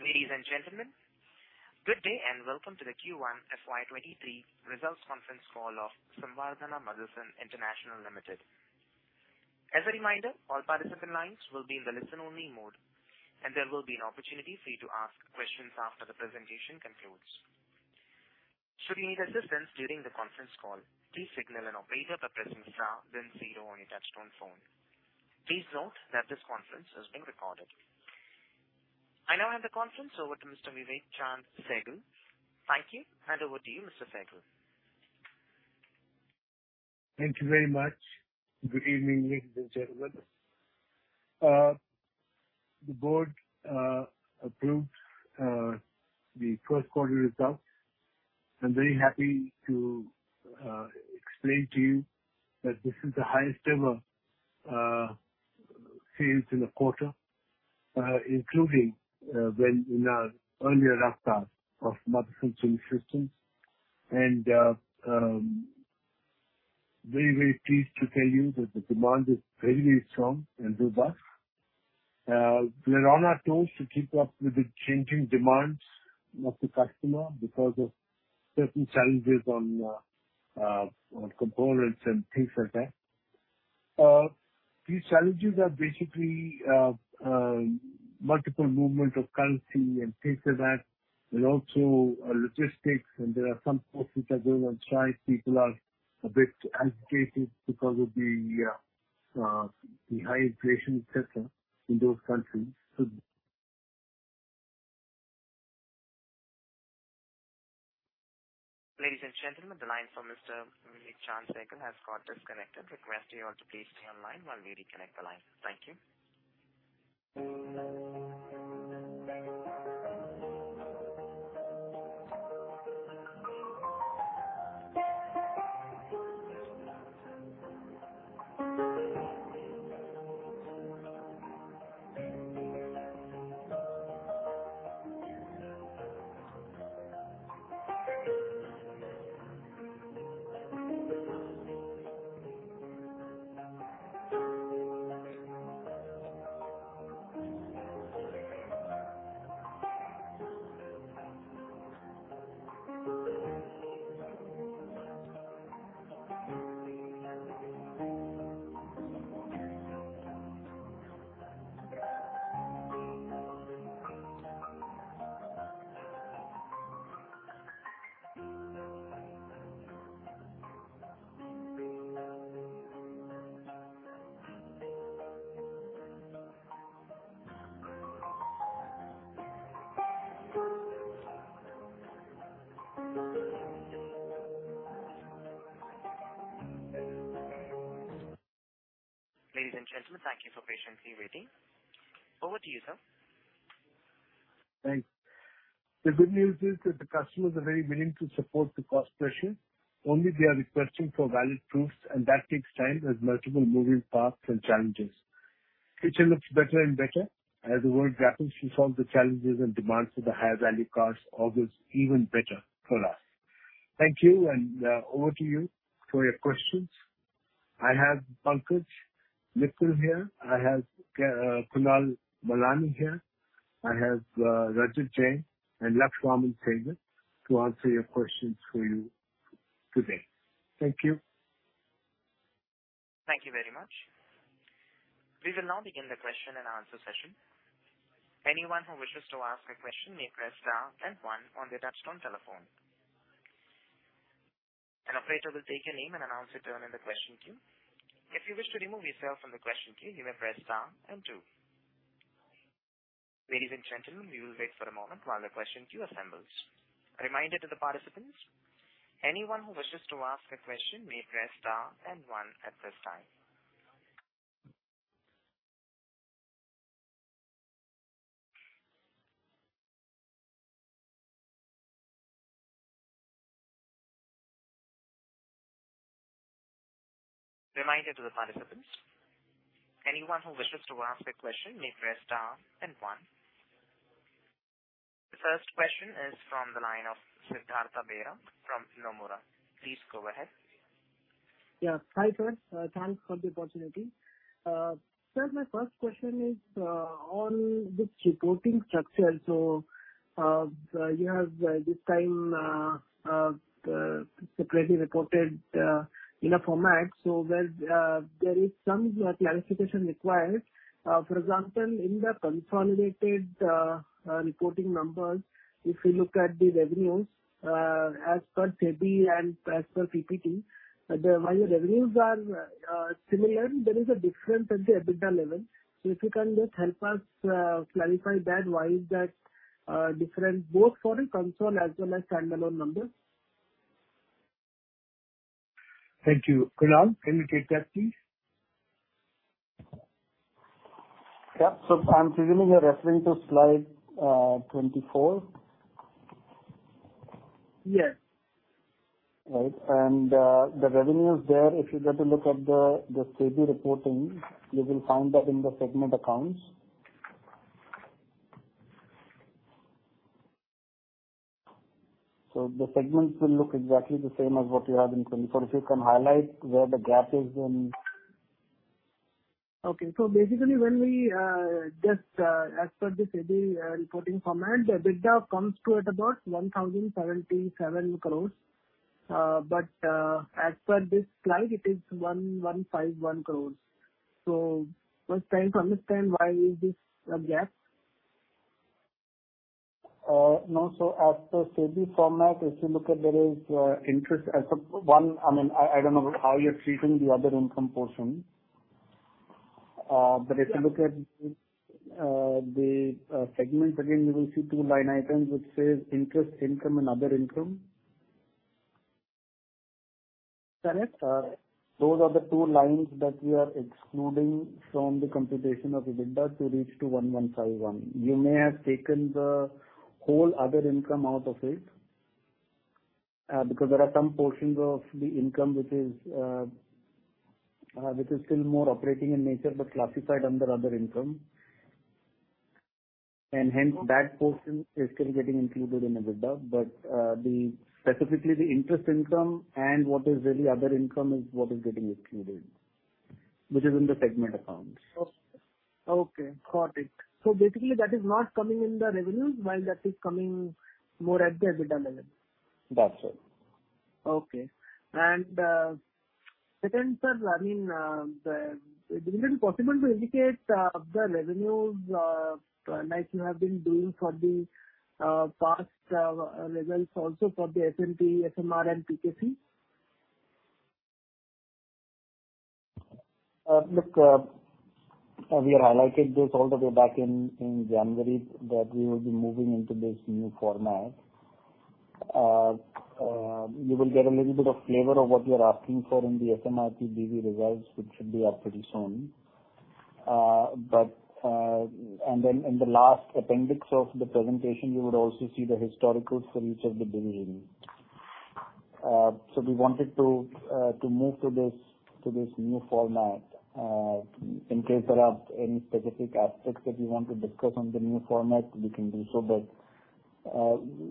Ladies and gentlemen, good day, and welcome to the Q1 FY 2023 results conference call of Samvardhana Motherson International Ltd. As a reminder, all participant lines will be in the listen-only mode, and there will be an opportunity for you to ask questions after the presentation concludes. Should you need assistance during the conference call, please signal an operator by pressing star then zero on your touchtone phone. Please note that this conference is being recorded. I now hand the conference over to Mr. Vivek Chaand Sehgal. Thank you. Hand over to you, Mr. Sehgal. Thank you very much. Good evening, ladies and gentlemen. The board approves the first quarter results. I'm very happy to explain to you that this is the highest ever sales in a quarter, including when in our earlier lifetime of Motherson Sumi Systems. I'm very, very pleased to tell you that the demand is very strong and robust. We are on our toes to keep up with the changing demands of the customer because of certain challenges on components and things like that. These challenges are basically multiple movement of currency and things like that and also logistics. There are some ports which are going on strike. People are a bit agitated because of the high inflation etc. in those countries. Ladies and gentlemen, the line for Mr. Vivek Chaand Sehgal has got disconnected. Request you all to please stay online while we reconnect the line. Thank you. Ladies and gentlemen, thank you for patiently waiting. Over to you, sir. Thanks. The good news is that the customers are very willing to support the cost pressure, only they are requesting for valid proofs, and that takes time as multiple moving parts and challenges. Future looks better and better as the world grapples to solve the challenges and demands for the higher value cars augurs even better for us. Thank you, and over to you for your questions. I have Pankaj Mital here. I have Kunal Malani here. I have Rajat Jain and Laksh Vaaman Sehgal to answer your questions for you today. Thank you. Thank you very much. We will now begin the question and answer session. Anyone who wishes to ask a question may press star then one on their touchtone telephone. An operator will take your name and announce it during the question queue. If you wish to remove yourself from the question queue, you may press star and two. Ladies and gentlemen, we will wait for a moment while the question queue assembles. A reminder to the participants, anyone who wishes to ask a question may press star and one at this time. Reminder to the participants, anyone who wishes to ask a question may press star and one. The first question is from the line of Siddhartha Bera from Nomura. Please go ahead. Yeah. Hi, sir. Thanks for the opportunity. Sir, my first question is on this reporting structure. You have this time separately reported in a format. There is some clarification required. For example, in the consolidated reporting numbers, if you look at the revenues as per SEBI and as per PPT, while the revenues are similar, there is a difference at the EBITDA level. If you can just help us clarify that, why is that different both for the consolidated as well as standalone numbers? Thank you. Kunal, can you take that, please? Yeah. I'm assuming you're referring to slide 24. Yes. Right. The revenue is there. If you get to look at the SEBI reporting, you will find that in the segment accounts. The segments will look exactly the same as what you have in 2024. If you can highlight where the gap is in. Okay. Basically when we just as per the SEBI reporting format, the EBITDA comes to about 1,077 crores. But as per this slide, it is 1,151 crores. Just trying to understand why is this a gap? No. As per SEBI format, if you look at there is interest as a one. I mean, I don't know how you're treating the other income portion. If you look at the segments again, you will see two line items which says interest income and other income. Correct. Those are the two lines that we are excluding from the computation of EBITDA to reach to 1,151 crores. You may have taken the whole other income out of it, because there are some portions of the income which is still more operating in nature but classified under other income. Hence that portion is still getting included in EBITDA. The specifically the interest income and what is really other income is what is getting excluded, which is in the segment accounts. Okay. Got it. Basically that is not coming in the revenues while that is coming more at the EBITDA level. That's it. Okay. Second, sir, I mean, is it possible to indicate the revenues, like you have been doing for the past levels also for the SMP, SMR and PKC? Look, we highlighted this all the way back in January that we will be moving into this new format. You will get a little bit of flavor of what you're asking for in the SMRP BV results, which should be out pretty soon. And then in the last appendix of the presentation, you would also see the historical for each of the division. We wanted to move to this new format. In case there are any specific aspects that you want to discuss on the new format, we can do so.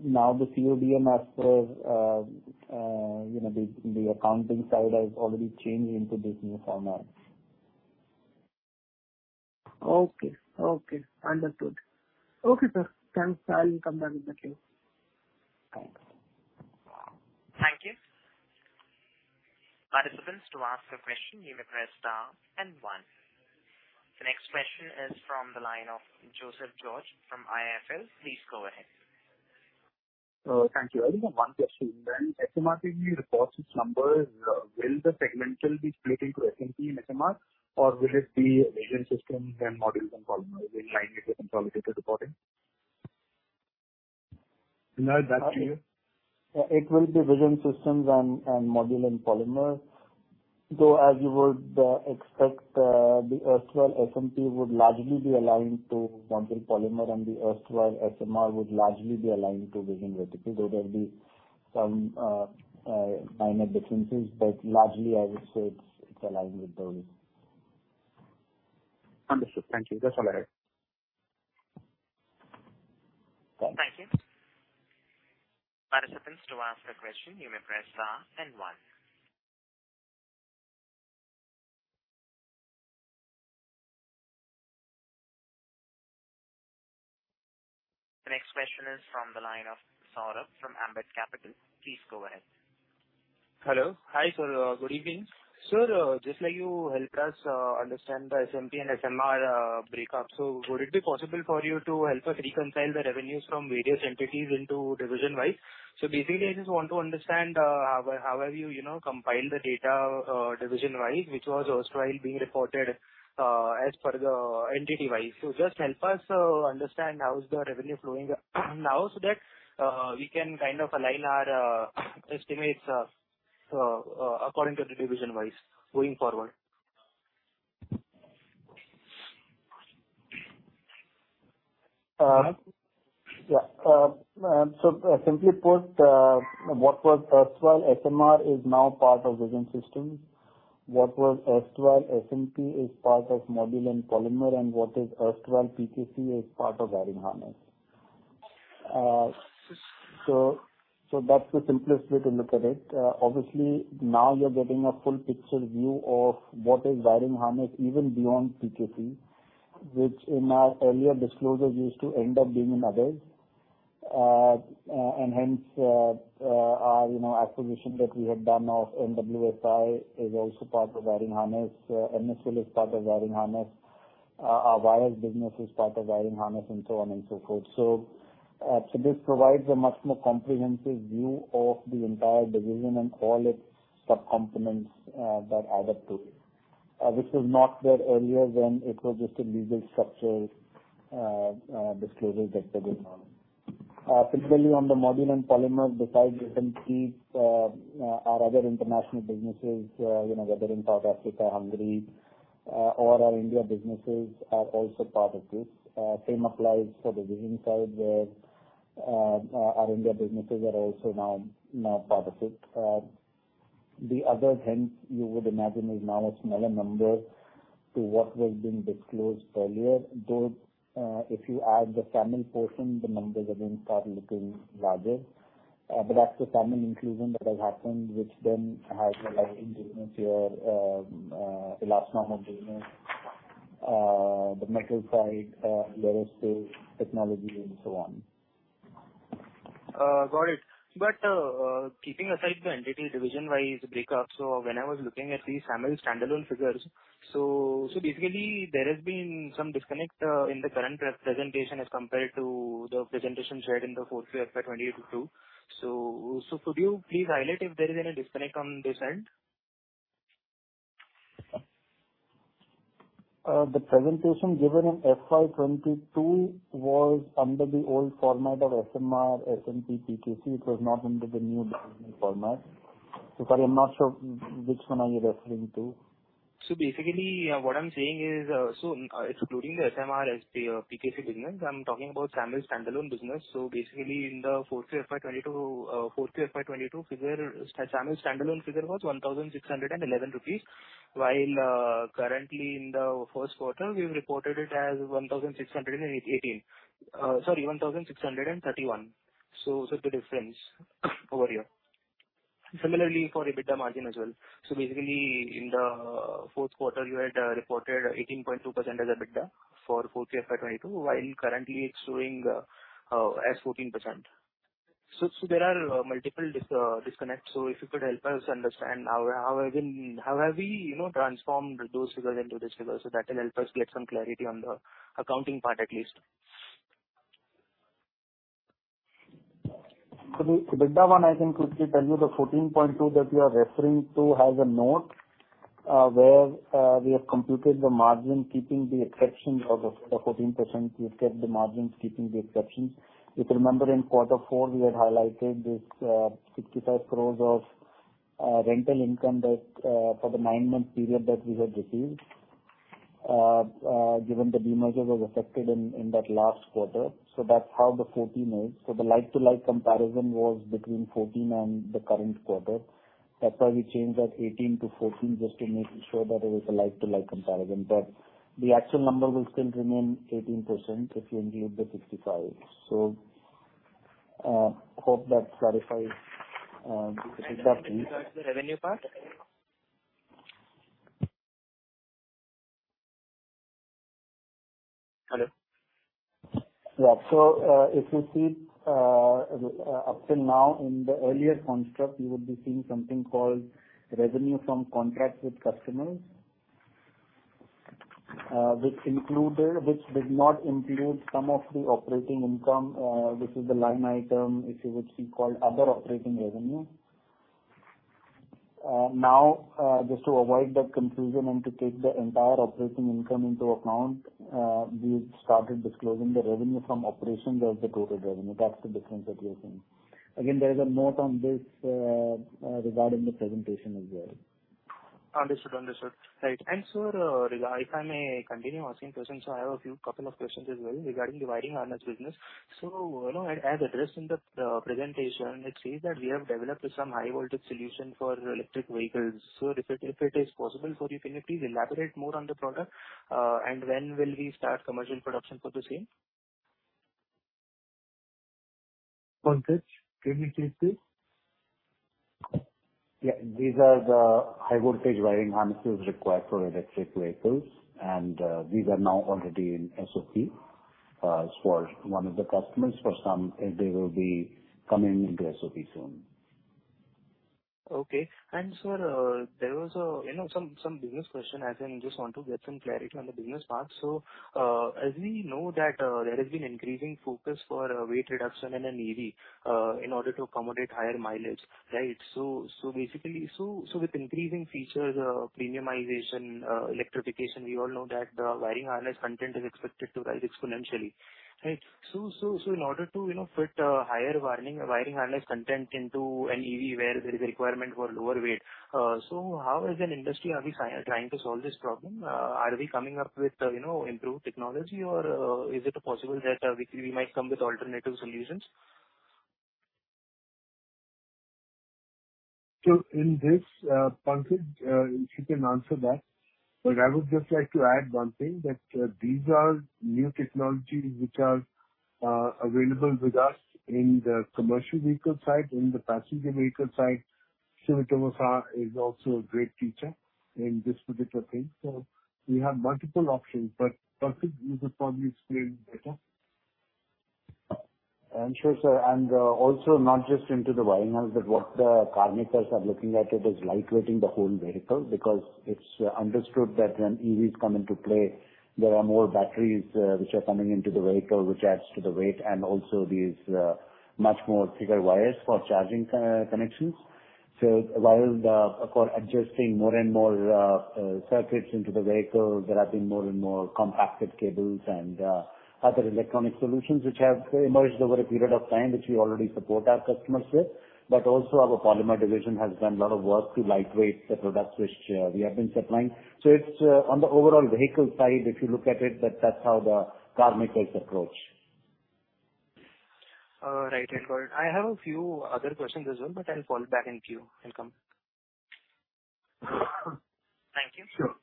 Now the [CODM] as per, you know, the accounting side has already changed into this new format. Okay. Okay. Understood. Okay, sir. Thanks. I'll come back with the team. Thanks. Thank you. Participants, to ask a question, you may press star and one. The next question is from the line of Joseph George from IIFL. Please go ahead. Thank you. I think I have one question. When SMRP reports its numbers, will the segmental be split into SMP and SMR or will it be vision systems and modules and polymer in line with the consolidated reporting? Kunal, is that to you? It will be Vision Systems and Module and Polymer. As you would expect, the erstwhile SMP would largely be aligned to module polymer and the erstwhile SMR would largely be aligned to vision vertical. There will be some minor differences, but largely I would say it's aligned with those. Understood. Thank you. That's all I had. Thanks. Thank you. Participants, to ask a question you may press star and one. The next question is from the line of Saurabh from Ambit Capital. Please go ahead. Hello. Hi, sir. Good evening. Sir, just like you helped us understand the SMP and SMR breakup. Would it be possible for you to help us reconcile the revenues from various entities into division-wise? Basically, I just want to understand how have you know, compiled the data division-wise, which was erstwhile being reported as per the entity-wise. Just help us understand how is the revenue flowing now so that we can kind of align our estimates according to the division-wise going forward. Simply put, what was erstwhile SMR is now part of vision systems. What was erstwhile SMP is part of Module and Polymer and what is erstwhile PKC is part of wiring harness. That's the simplest way to look at it. Obviously now you're getting a full picture view of what is wiring harness even beyond PKC, which in our earlier disclosures used to end up being in others. Hence, our, you know, acquisition that we had done of MSSL is also part of wiring harness. MSSL is part of wiring harness. Our wires business is part of wiring harness and so on and so forth. This provides a much more comprehensive view of the entire division and all its subcomponents that add up to it. Which was not there earlier when it was just a legal structure, disclosures that were going on. Specifically on the Modules and Polymers besides SMP, our other international businesses, you know, whether in South Africa, Hungary, or our India businesses are also part of this. Same applies for vision side where, our India businesses are also now part of it. The other things you would imagine is now a smaller number to what was being disclosed earlier. Though, if you add the SAMIL portion, the numbers again start looking larger. That's the SAMIL inclusion that has happened, which then has a lighting business here, elastomer business, the metal side, aerospace technology and so on. Got it. Keeping aside the entity division-wise break up, so when I was looking at the SAMIL standalone figures, so basically there has been some disconnect in the current representation as compared to the presentation shared in the fourth quarter FY 2022. Could you please highlight if there is any disconnect on this end? The presentation given in FY 2022 was under the old format of SMR, SMP, PKC. It was not under the new division format. So far I'm not sure which one are you referring to? Basically, what I'm saying is, excluding the SMR, SMP, PKC business, I'm talking about SAMIL standalone business. Basically in the fourth quarter FY 2022 figure, SAMIL standalone figure was 1,611 rupees, while currently in the first quarter we've reported it as 1,618. Sorry, 1,631. The difference over here. Similarly for EBITDA margin as well. Basically in the fourth quarter you had reported 18.2% as EBITDA for fourth quarter FY22, while currently it's showing as 14%. There are multiple disconnects. If you could help us understand how have been... How have we, you know, transformed those figures into these figures so that will help us get some clarity on the accounting part at least. The EBITDA one I can quickly tell you the 14.2% that you are referring to has a note where we have computed the margin keeping the exception of the 14%, we've kept the margins keeping the exception. If you remember in quarter four we had highlighted this 65 crore of rental income that for the nine-month period that we had received given the demerger was affected in that last quarter. That's how the 14%is. The like to like comparison was between 14% and the current quarter. That's why we changed that 18% to 14% just to make sure that it was a like to like comparison. But the actual number will still remain 18% if you include the 65. Hope that clarifies the EBITDA piece. Regarding the revenue part? Hello? Yeah. If you see up till now in the earlier construct you would be seeing something called revenue from contracts with customers, which did not include some of the operating income, which is the line item which you would see called other operating revenue. Now, just to avoid that confusion and to take the entire operating income into account, we started disclosing the revenue from operations as the total revenue. That's the difference that you're seeing. Again, there is a note on this regarding the presentation as well. Understood. Right. Sir, if I may continue asking questions, I have a few couple of questions as well regarding wiring harness business. You know, as addressed in the presentation, it says that we have developed some high voltage solution for electric vehicles. If it is possible for you, can you please elaborate more on the product, and when will we start commercial production for the same? Pankaj, can you take this? Yeah. These are the high voltage wiring harnesses required for electric vehicles and these are now already in SOP for one of the customers. For some they will be coming into SOP soon. Okay. Sir, there was a, you know, some business question as in just want to get some clarity on the business part. As we know that, there has been increasing focus for weight reduction in an EV, in order to accommodate higher mileage, right? With increasing features, premiumization, electrification, we all know that, wiring harness content is expected to rise exponentially, right? In order to, you know, fit a higher wiring harness content into an EV where there is a requirement for lower weight, so how as an industry are we trying to solve this problem? Are we coming up with, you know, improved technology or, is it possible that, we might come with alternative solutions? In this, Pankaj, you can answer that, but I would just like to add one thing that these are new technologies which are available with us in the commercial vehicle side. In the passenger vehicle side, Sumitomo San is also a great feature in this particular thing. We have multiple options, but Pankaj you could probably explain better. Sure, sir. Also not just into the wiring harness, but what the car makers are looking at it is light weighting the whole vehicle because it's understood that when EVs come into play, there are more batteries, which are coming into the vehicle, which adds to the weight and also these much more thicker wires for charging connections. While, of course, adjusting more and more circuits into the vehicle, there have been more and more compacted cables and other electronic solutions which have emerged over a period of time, which we already support our customers with. Also our polymer division has done a lot of work to lightweight the products which we have been supplying. It's on the overall vehicle side, if you look at it, that's how the car makers approach. Right. I got it. I have a few other questions as well, but I'll fall back in queue and come back. Thank you. Sure.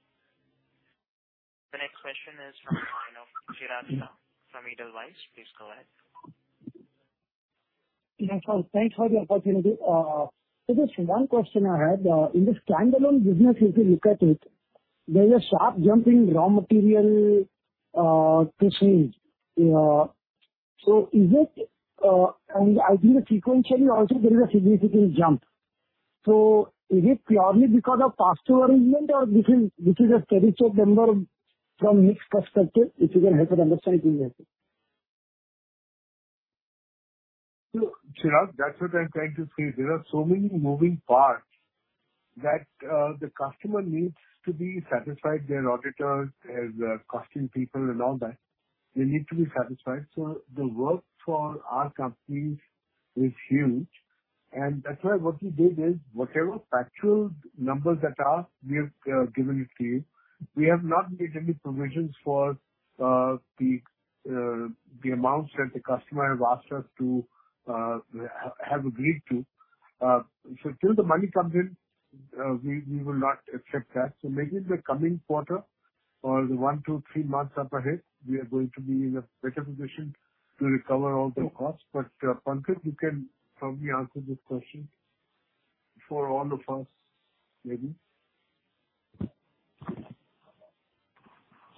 The next question is from the line of Chirag Shah from Edelweiss. Please go ahead. Yes, sir. Thanks for the opportunity. It is one question I had. In the standalone business, if you look at it, there is a sharp jump in raw material cost. I think sequentially also there is a significant jump. Is it purely because of pass-through arrangement or this is a steady-state number from mix perspective? If you can help to understand, please. Chirag, that's what I'm trying to say. There are so many moving parts that the customer needs to be satisfied, their auditors, costing people and all that. They need to be satisfied. The work for our companies is huge. That's why what we did is whatever factual numbers that are, we have given it to you. We have not made any provisions for the amounts that the customer have asked us to have agreed to. Till the money comes in, we will not accept that. Maybe in the coming quarter or the one, two, three months up ahead, we are going to be in a better position to recover all the costs. Pankaj, you can probably answer this question for all of us maybe.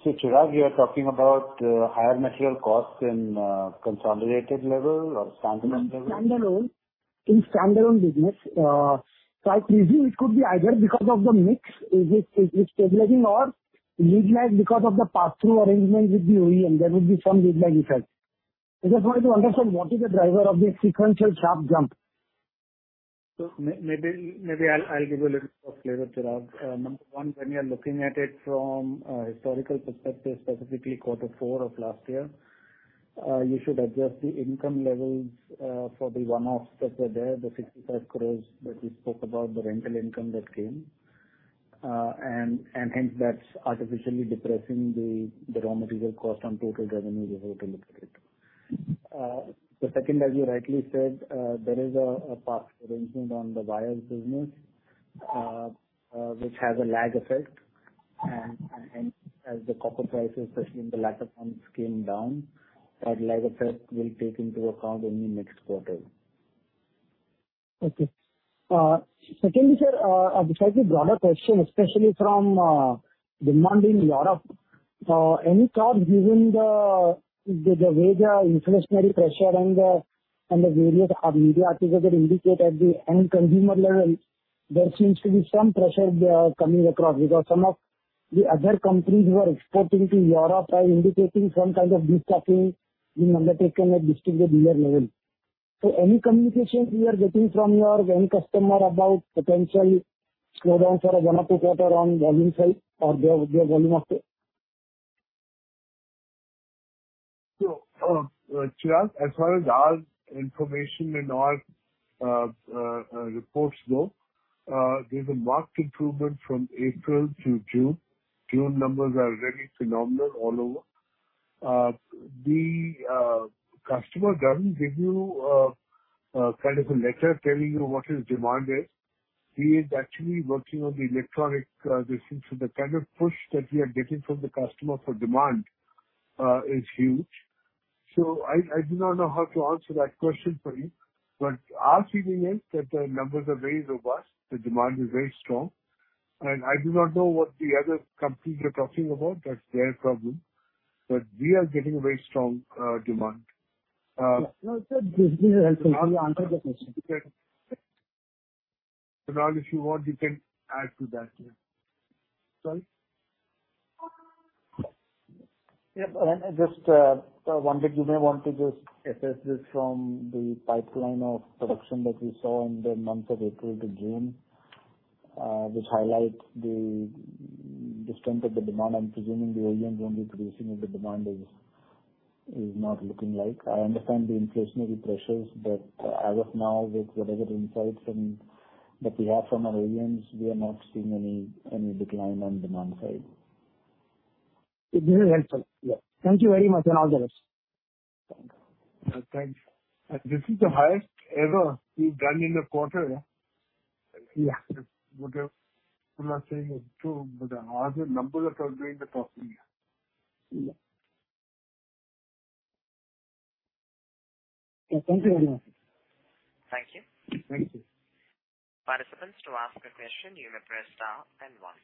Chirag, you are talking about higher material costs in consolidated level or standalone level? Standalone. In standalone business. I presume it could be either because of the mix, is it stabilizing or lag because of the pass-through arrangement with the OEM, there would be some lag effect. I just wanted to understand what is the driver of this sequential sharp jump. Maybe I'll give you a little flavor, Chirag. Number one, when you're looking at it from a historical perspective, specifically quarter four of last year, you should adjust the income levels for the one-offs that were there, the 65 crores that we spoke about, the rental income that came. Hence that's artificially depressing the raw material cost on total revenue if you have to look at it. Second, as you rightly said, there is a pass-through arrangement on the wires business, which has a lag effect. As the copper prices especially in the latter months came down, that lag effect will take into account only next quarter. Okay. Secondly, sir, besides the broader question, especially from demand in Europe, any thoughts given the way the inflationary pressure and the various media articles that indicate at the end consumer level, there seems to be some pressure coming across because some of the other companies who are exporting to Europe are indicating some kind of discounting being undertaken at distributor level. Any communication you are getting from your end customer about potential slowdown for one or two quarter on volume side or the volume of it? Chirag, as far as our information and our reports go, there's a marked improvement from April to June. June numbers are really phenomenal all over. The customer doesn't give you kind of a letter telling you what his demand is. He is actually working on the electronic this thing. So the kind of push that we are getting from the customer for demand is huge. I do not know how to answer that question for you, but our feeling is that the numbers are very robust. The demand is very strong. I do not know what the other companies are talking about. That's their problem. We are getting a very strong demand. No, sir. This is helpful. You answered the question. Chirag, if you want you can add to that. Sorry? Yep. Just one thing you may want to just assess is from the pipeline of production that we saw in the months of April to June, which highlight the strength of the demand. I'm presuming the OEMs won't be producing if the demand is not looking like. I understand the inflationary pressures, but as of now, with whatever insights from that we have from our OEMs, we are not seeing any decline on demand side. This is helpful. Yeah. Thank you very much, and all the best. Thank you. Thanks. This is the highest ever we've done in a quarter. Yeah. I'm not saying it too, but as a number of Yeah. Thank you very much. Thank you. Thank you. Participants, to ask a question you may press star then one.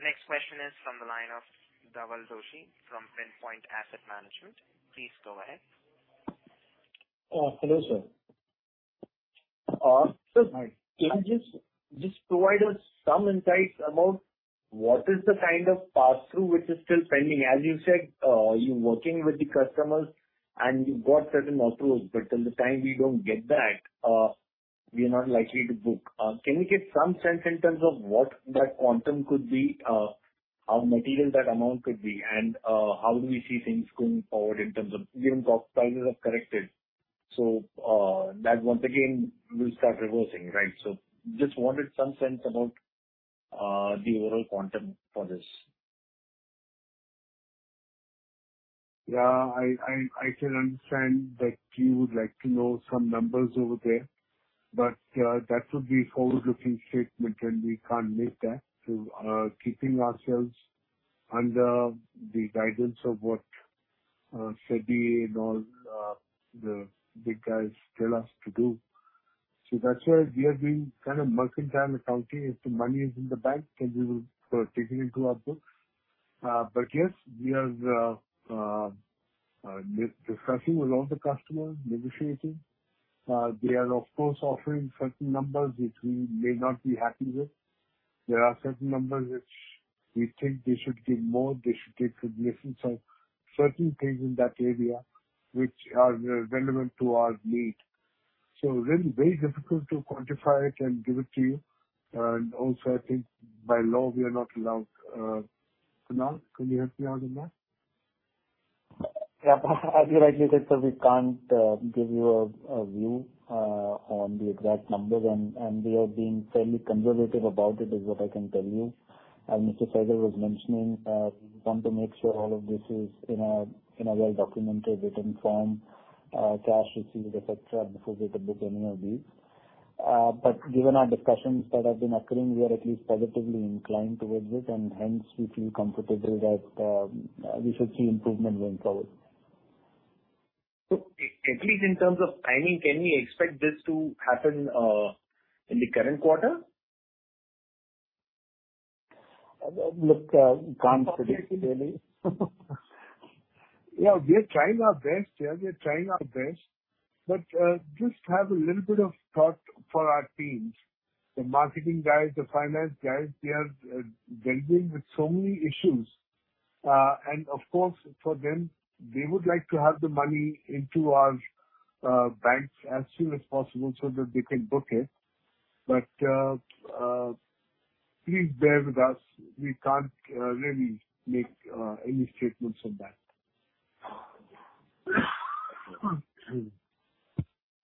The next question is from the line of Dhaval Doshi from Pinpoint Asset Management. Please go ahead. Hello sir. Hi. Can you just provide us some insights about what is the kind of pass-through which is still pending? As you said, you're working with the customers and you've got certain approvals, but till the time we don't get that, we are not likely to book. Can you give some sense in terms of what that quantum could be, of material that amount could be? And, how do we see things going forward in terms of given copper prices have corrected. That once again will start reversing, right? Just wanted some sense about the overall quantum for this. Yeah, I can understand that you would like to know some numbers over there, but that would be forward-looking statement, and we can't make that. Keeping ourselves under the guidance of what SEBI and all the big guys tell us to do. That's why we are being kind of management time accounting. If the money is in the bank, then we will take it into our books. But yes, we are discussing with all the customers, negotiating. They are of course offering certain numbers which we may not be happy with. There are certain numbers which we think they should give more, they should take cognizance of certain things in that area which are relevant to our need. Really very difficult to quantify it and give it to you. I think by law, we are not allowed. Kunal, can you help me out on that? Yeah. As you rightly said, sir, we can't give you a view on the exact numbers and we are being fairly conservative about it, is what I can tell you. As Mr. Sehgal was mentioning, we want to make sure all of this is in a well-documented written form, cash receipt, et cetera, before we can book any of these. Given our discussions that have been occurring, we are at least positively inclined towards this and hence we feel comfortable that we should see improvement going forward. At least in terms of timing, can we expect this to happen in the current quarter? Look, we can't predict really. Yeah, we are trying our best. Just have a little bit of thought for our teams. The marketing guys, the finance guys, they are dealing with so many issues. Of course for them they would like to have the money into our banks as soon as possible so that they can book it. Please bear with us. We can't really make any statements on that.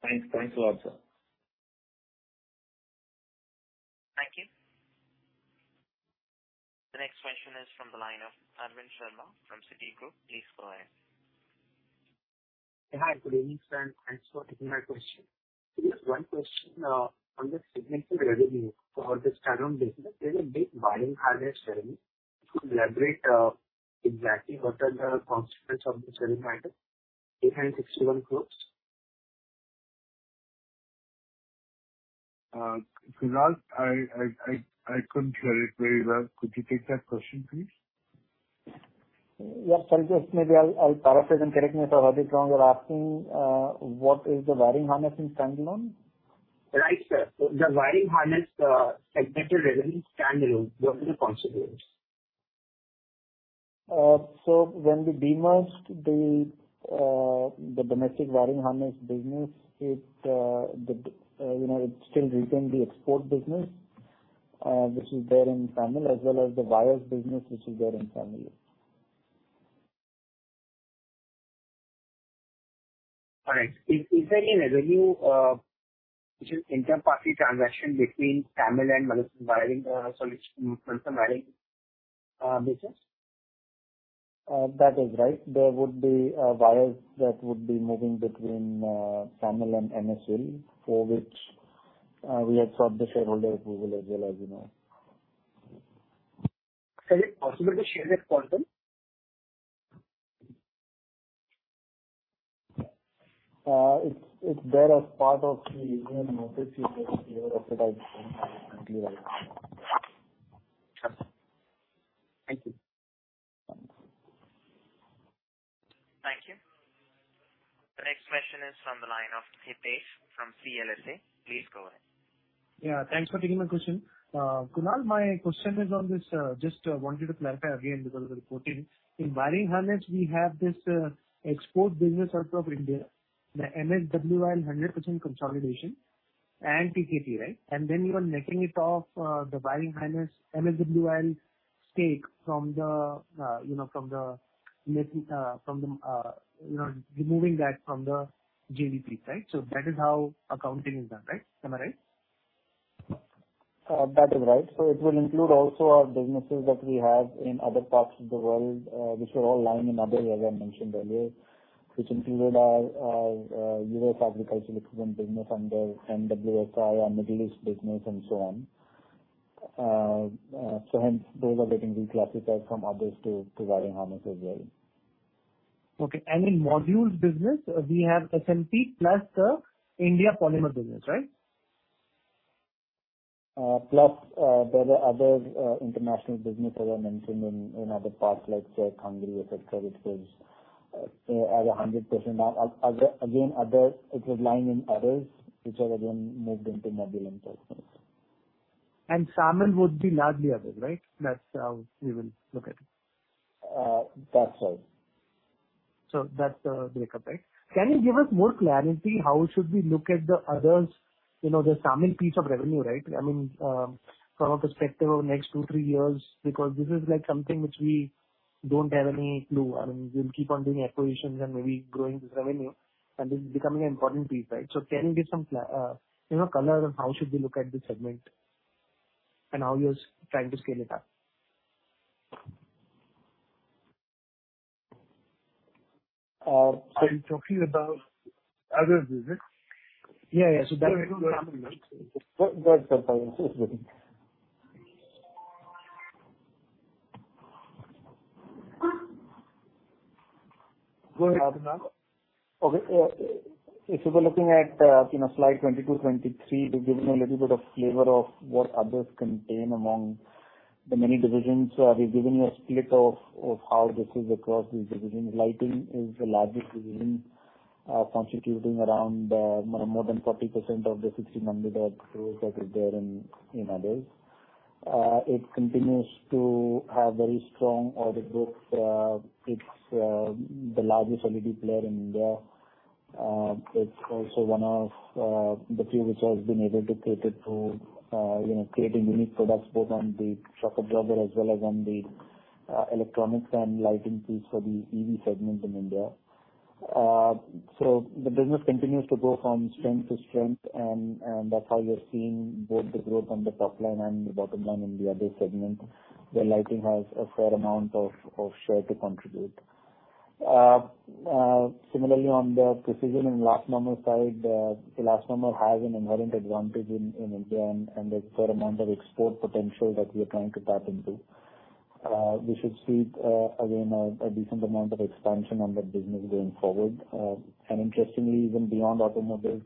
Thanks. Thanks a lot, sir. Thank you. The next question is from the line of Arvind Sharma from Citigroup. Please go ahead. Hi, good evening sir, and thanks for taking my question. Just one question, on the segmented revenue for the standalone business, there's a big wiring harness segment. Could you elaborate, exactly what are the constituents of this segment, items behind INR 61 crores? Kunal, I couldn't hear it very well. Could you take that question, please? Yeah, sorry. Just maybe I'll paraphrase and correct me if I heard it wrong. You're asking what is the wiring harness in standalone? Right, sir. The wiring harness, segmented revenue standalone, what are the constituents? When we demerged the domestic wiring harness business, it still retained the export business, which is there in SAMIL as well as the wires business which is there in SAMIL. All right. Is there any revenue which is inter-party transaction between SAMIL and Motherson Sumi Wiring business? That is right. There would be wires that would be moving between SAMIL and MSWIL for which we had sought the shareholder approval as well, as you know. Is it possible to share this quantum? It's there as part of the earnings notice we gave earlier as it is in our monthly earnings. Understood. Thank you. Thanks. Thank you. The next question is from the line of Hitesh from CLSA. Please go ahead. Yeah, thanks for taking my question. Kunal, my question is on this, just wanted to clarify again because of the reporting. In wiring harness we have this export business out of India, the MSWIL 100% consolidation and PKC, right? You are netting it off, the wiring harness MSWIL stake from the net, you know, removing that from the JVP, right? That is how accounting is done, right? Am I right? That is right. It will include also our businesses that we have in other parts of the world, which were all lying in others, as I mentioned earlier, which included our U.S. agricultural equipment business under MWSI, our Middle East business and so on. Hence those are getting reclassified from others to wiring harness as well. Okay. In modules business, we have SMP plus the India polymer business, right? Plus, there are other international business that I mentioned in other parts like Czech, Hungary, et cetera, which is at 100%. Other, it was lying in others which are again merged into Module and Polymers. SAMIL would be largely others, right? That's how we will look at it. That's right. That's the breakup, right? Can you give us more clarity how should we look at the others, you know, the SAMIL piece of revenue, right? I mean, from a perspective of next two-three years, because this is like something which we don't have any clue. I mean, you'll keep on doing acquisitions and maybe growing the revenue, and this is becoming an important piece, right? Can you give some color on how should we look at this segment and how you're trying to scale it up? Are you talking about other business? Yeah, yeah. Go ahead. Go ahead, Kunal. Okay. If you were looking at, you know, slide 22, 23, we've given a little bit of flavor of what others contain among the many divisions. We've given you a split of how this is across these divisions. Lighting is the largest division, constituting around more than 40% of the 1,600 crores that is there in others. It continues to have very strong order books. It's the largest LED player in India. It's also one of the few which has been able to cater to, you know, creating unique products both on the shock absorber as well as on the electronics and lighting piece for the EV segment in India. The business continues to go from strength to strength and that's how you're seeing both the growth on the top line and the bottom line in the other segment, where lighting has a fair amount of share to contribute. Similarly on the precision and elastomer side, the elastomer has an inherent advantage in India and a fair amount of export potential that we are trying to tap into. We should see again a decent amount of expansion on that business going forward. Interestingly, even beyond automobile,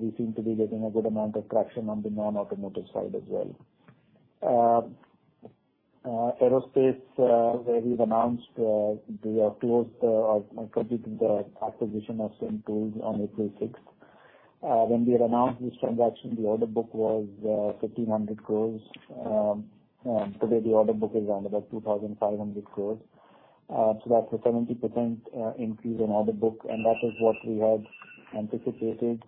we seem to be getting a good amount of traction on the non-automotive side as well. In aerospace, where we've announced we have closed or completed the acquisition of CIM Tools on April 6th. When we had announced this transaction, the order book was 1,500 crores. Today the order book is around about 2,500 crores. That's a 70% increase in order book, and that is what we had anticipated.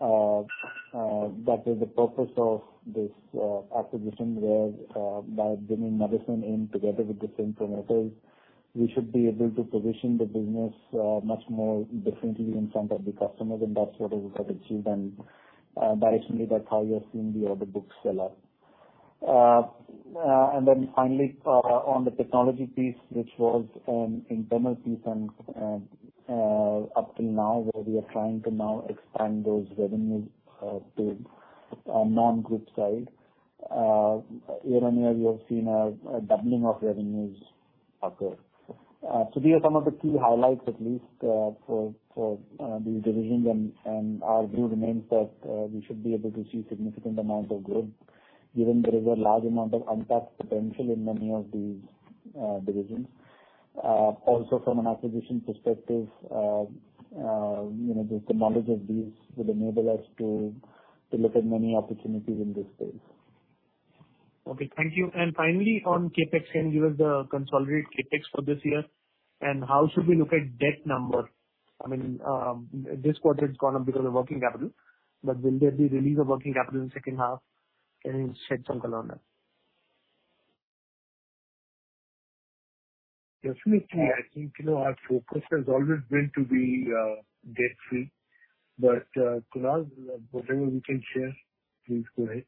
That is the purpose of this acquisition where by bringing Motherson in together with the same promoters, we should be able to position the business much more differently in front of the customers, and that's what we have achieved. Basically that's how you're seeing the order books sell out. Finally, on the technology piece, which was an internal piece and, up till now where we are trying to now expand those revenues to non-group side, year-on-year we have seen a doubling of revenues occur. These are some of the key highlights at least for these divisions and our view remains that we should be able to see significant amounts of growth given there is a large amount of untapped potential in many of these divisions. Also from an acquisition perspective, you know, the technology of these would enable us to look at many opportunities in this space. Okay. Thank you. Finally, on CapEx, can you give us the consolidated CapEx for this year? How should we look at debt number? I mean, this quarter it's gone up because of working capital, but will there be release of working capital in second half? Can you shed some color on that? Definitely. I think, you know, our focus has always been to be debt free. Kunal, whatever we can share, please go ahead.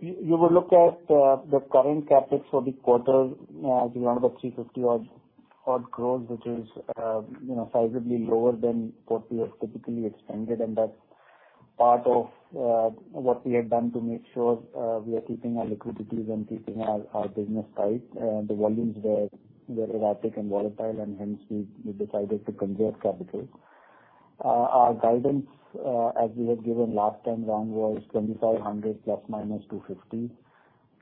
You would look at the current CapEx for the quarter is around about 350-odd crores, which is, you know, sizably lower than what we have typically expended. That's part of what we have done to make sure we are keeping our liquidities and keeping our business tight. The volumes were erratic and volatile, and hence we decided to conserve capital. Our guidance as we had given last time around was 2,500 ± 250.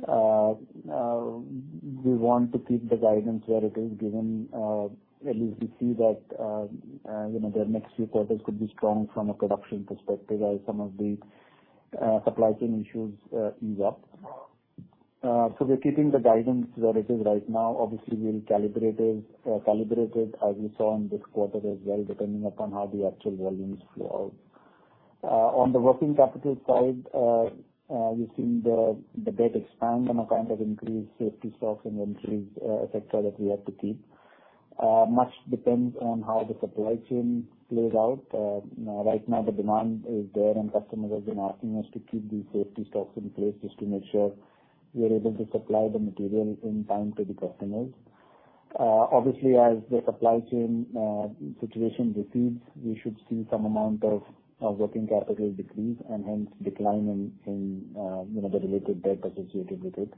We want to keep the guidance where it is given. At least we see that, you know, the next few quarters could be strong from a production perspective as some of the supply chain issues ease up. We're keeping the guidance where it is right now. Obviously we'll calibrate it as we saw in this quarter as well, depending upon how the actual volumes flow out. On the working capital side, you've seen the debt expand on account of increased safety stocks and increased inventory that we have to keep. Much depends on how the supply chain plays out. Right now the demand is there, and customers have been asking us to keep these safety stocks in place just to make sure we are able to supply the material in time to the customers. Obviously as the supply chain situation recedes, we should see some amount of working capital decrease and hence decline in you know the related debt associated with it.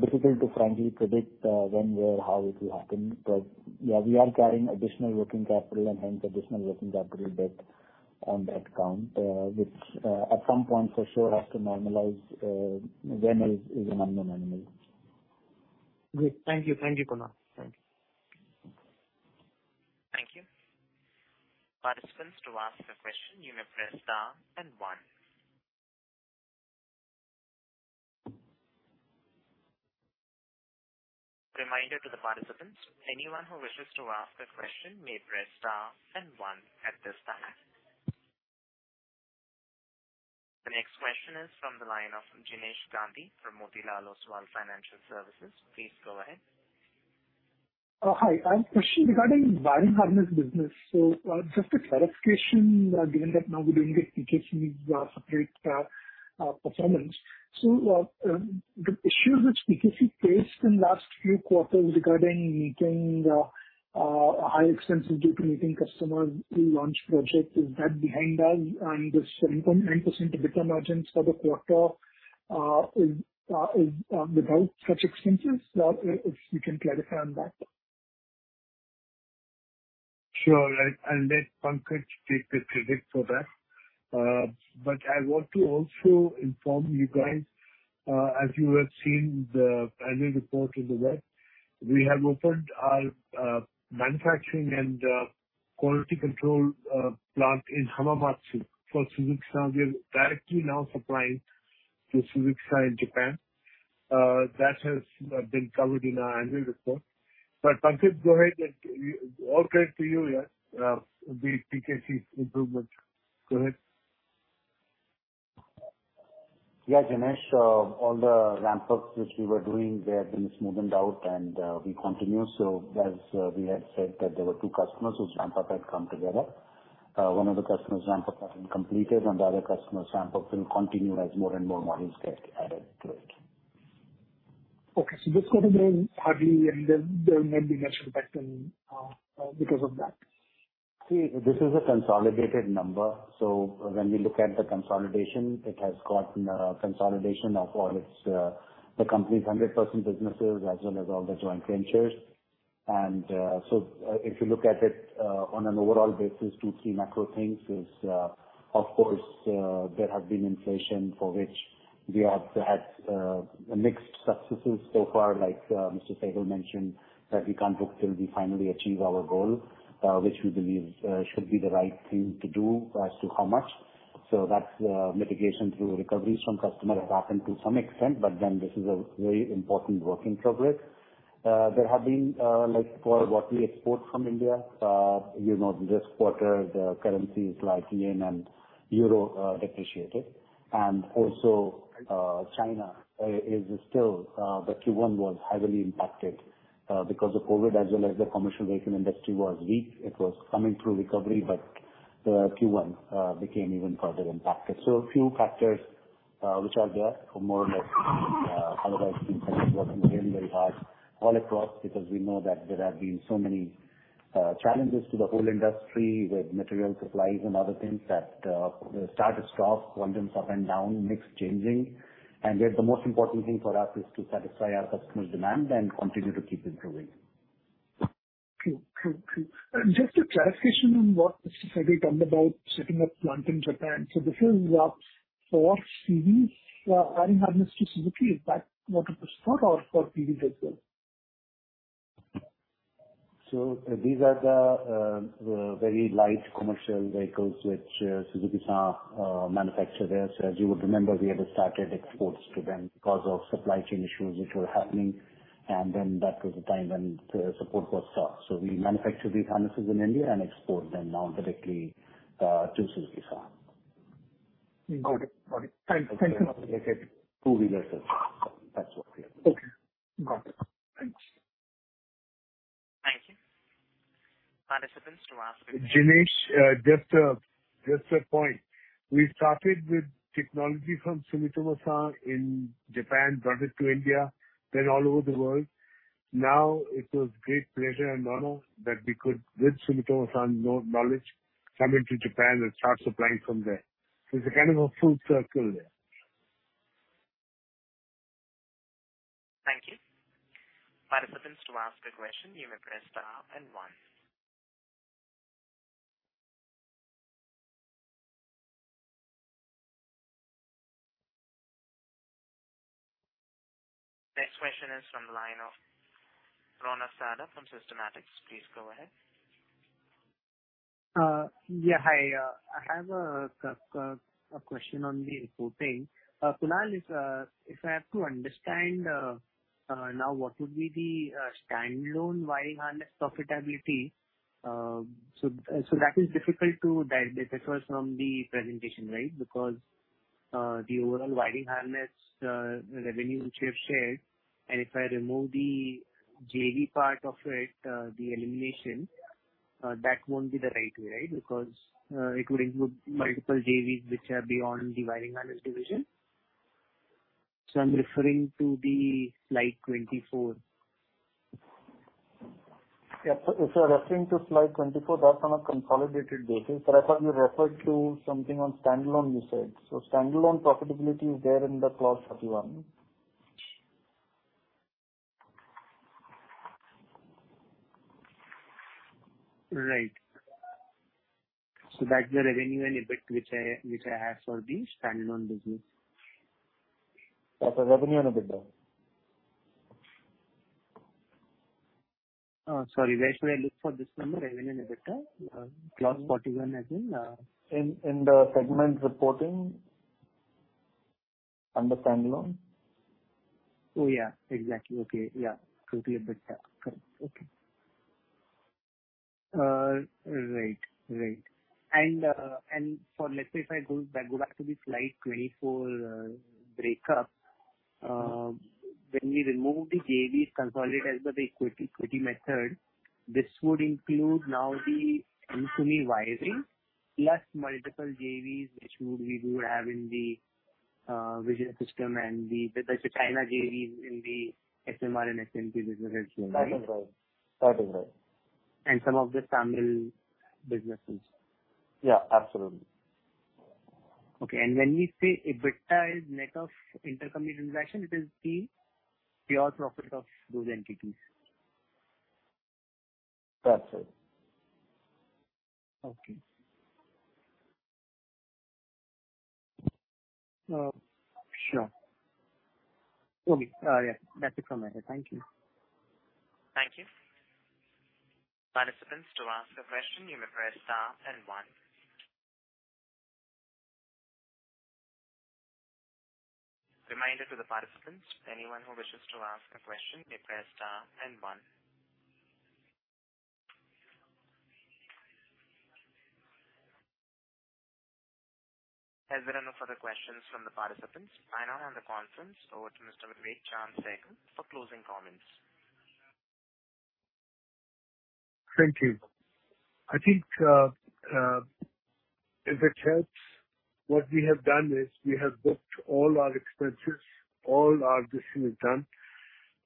Difficult to frankly predict when, where, how it will happen. Yeah, we are carrying additional working capital and hence additional working capital debt on that count, which at some point for sure has to normalize. When is unknown. Great. Thank you. Thank you, Kunal. Thank you. Thank you. Participants, to ask a question you may press star and one. Reminder to the participants, anyone who wishes to ask a question may press star and one at this time. The next question is from the line of Jinesh Gandhi from Motilal Oswal Financial Services. Please go ahead. Oh, hi. I have a question regarding wiring harness business. Just a clarification, given that now we don't get PKC separate performance. The issues which PKC faced in last few quarters regarding meeting high expenses due to meeting customer timelines to launch projects, is that behind us? And 7.9% EBITDA margins for the quarter is without such expenses? If you can clarify on that. Sure. I'll let Pankaj take the credit for that. I want to also inform you guys, as you have seen the annual report on the web, we have opened our manufacturing and quality control plant in Hamamatsu for Suzuki San. We are directly now supplying to Suzuki San in Japan. That has been covered in our annual report. Pankaj, go ahead and all credit to you. Yeah. The PKC improvements. Go ahead. Yeah, Jinesh, all the ramp ups which we were doing, they have been smoothened out and we continue. As we had said that there were two customers whose ramp up had come together. One of the customers ramp up has been completed and the other customer's ramp up will continue as more and more models get added to it. Okay. This quarter was hardly and there may be much impact in because of that. See, this is a consolidated number, so when we look at the consolidation, it has got consolidation of all its the company's hundred percent businesses as well as all the joint ventures. If you look at it on an overall basis, two key macro things is of course there have been inflation for which we have had mixed successes so far, like Mr. Sehgal mentioned, that we can't book till we finally achieve our goal, which we believe should be the right thing to do as to how much. That's mitigation through recoveries from customers happened to some extent, but then this is a very important work in progress. There have been like for what we export from India you know this quarter the currencies like yen and euro depreciated. China is still the Q1 was heavily impacted because of COVID as well as the commercial vehicle industry was weak. It was coming through recovery, but the Q1 became even further impacted. A few factors which are there for more or less, otherwise we continue working very, very hard all across because we know that there have been so many challenges to the whole industry with material supplies and other things that start to stop, volumes up and down, mix changing. Yet the most important thing for us is to satisfy our customer demand and continue to keep improving. True. Just a clarification on what Mr. Sehgal talked about setting up plant in Japan. This is for CVs, adding harness to Suzuki. Is that motor plus four or for CVs as well? These are the very light commercial vehicles which Suzuki San manufacture there. As you would remember, we have started exports to them because of supply chain issues which were happening. Then that was the time when the support was sought. We manufacture these harnesses in India and export them now directly to Suzuki San. Got it. Thank you. Two-wheeler sales. That's what we are doing. Okay. Got it. Thanks. Thank you. Participants, to ask a question. Jinesh, just a point. We started with technology from Sumitomo San in Japan, brought it to India, then all over the world. Now it was great pleasure and honor that we could, with Sumitomo San knowledge, come into Japan and start supplying from there. It's a kind of a full circle there. Thank you. Participants, to ask a question, you may press star then one. Next question is from the line of Ronak Sarda from Systematix. Please go ahead. Yeah. Hi, I have a question on the reporting. Kunal, if I have to understand, now what would be the standalone wiring harness profitability, so that is difficult to derive the difference from the presentation, right? Because, the overall wiring harness revenue which you have shared, and if I remove the JV part of it, the elimination, that won't be the right way, right? Because, it would include multiple JVs which are beyond the wiring harness division. I'm referring to the slide 24. Yeah. If you're referring to slide 24, that's on a consolidated basis. I thought you referred to something on standalone, you said. Standalone profitability is there in the slide 41. Right. That's the revenue and EBIT which I have for the standalone business. That's the revenue and EBITDA. Sorry, where should I look for this number, revenue and EBITDA? Clause 41 as in. In the segment reporting under standalone. Oh, yeah, exactly. Okay. Yeah. Revenue EBITDA. Correct. Okay. Right. Let's say if I go back to the slide 24, breakup, when we remove the JVs consolidated with the equity method, this would include now the intercompany wiring plus multiple JVs which we would have in the Vision System and the China JVs in the SMR and SMP businesses. That is right. That is right. Some of the SAMIL businesses. Yeah, absolutely. Okay. When we say EBITDA is net of intercompany transaction, it is the pure profit of those entities. That's it. Okay. Sure. Okay. Yeah, that's it from my end. Thank you. Thank you. Participants, to ask a question, you may press star and one. Reminder to the participants, anyone who wishes to ask a question, you press star and one. As there are no further questions from the participants, I now hand the conference over to Mr. Vivek Chaand Sehgal for closing comments. Thank you. I think, if it helps, what we have done is we have booked all our expenses, all our decision is done.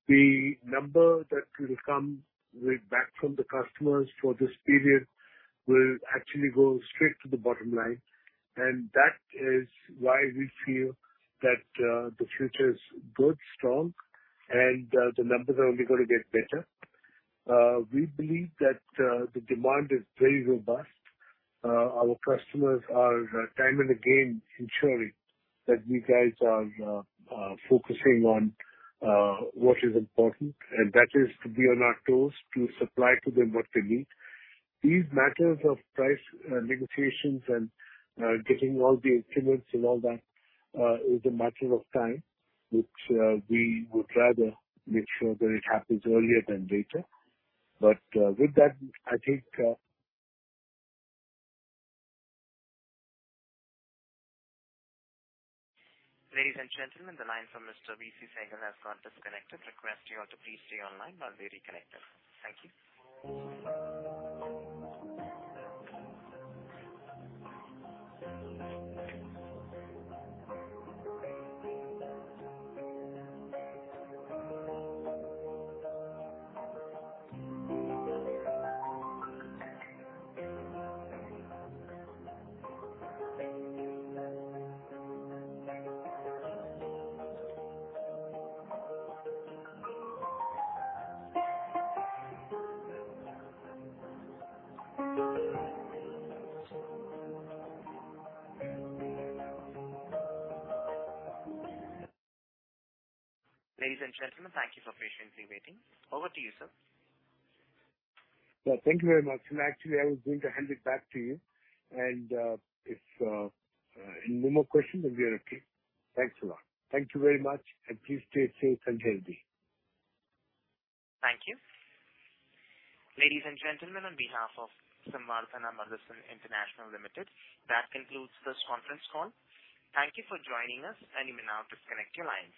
The number that will come right back from the customers for this period will actually go straight to the bottom line. That is why we feel that, the future is good, strong, and, the numbers are only gonna get better. We believe that, the demand is very robust. Our customers are time and again ensuring that we guys are, focusing on, what is important, and that is to be on our toes to supply to them what they need. These matters of price, negotiations and, getting all the instruments and all that, is a matter of time, which, we would rather make sure that it happens earlier than later. With that, I think. Ladies and gentlemen, the line from Mr. VC Sehgal has gone disconnected. Request you all to please stay online while we reconnect him. Thank you. Ladies and gentlemen, thank you for patiently waiting. Over to you, sir. Yeah. Thank you very much. Actually, I was going to hand it back to you and, if no more questions then we are okay. Thanks a lot. Thank you very much, and please stay safe and healthy. Thank you. Ladies and gentlemen, on behalf of Samvardhana Motherson International Ltd, that concludes this conference call. Thank you for joining us, and you may now disconnect your lines.